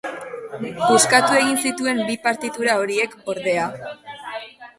Puskatu egin zituen bi partitura horiek, ordea.